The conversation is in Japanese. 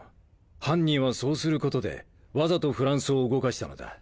犯人はそうすることでわざとフランスを動かしたのだ。